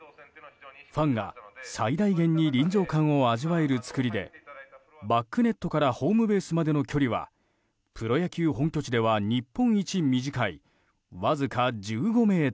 ファンが最大限に臨場感を味わえる造りでバックネットからホームベースまでの距離はプロ野球本拠地では日本一短いわずか１５ｍ。